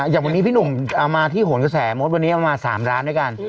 อย่างวันนี้พี่หนุ่มเอามาที่โหนกระแสมดวันนี้เอามา๓ร้านด้วยกัน